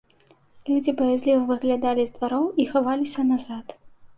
Людзі баязліва выглядалі з двароў і хаваліся назад.